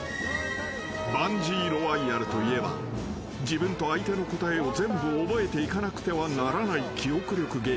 ［バンジー・ロワイアルといえば自分と相手の答えを全部覚えていかなくてはならない記憶力ゲーム］